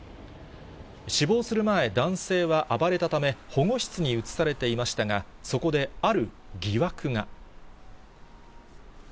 死亡する前、男性は暴れたため、保護室に移されていましたが、そこである疑惑が。